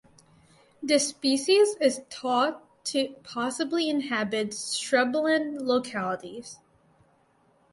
This species is thought to possibly to inhabit shrubland localities.